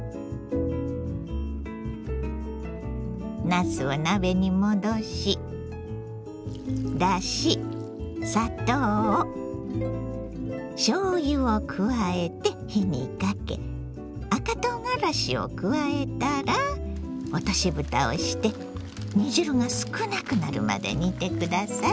なすを鍋にもどしだし砂糖しょうゆを加えて火にかけ赤とうがらしを加えたら落としぶたをして煮汁が少なくなるまで煮て下さい。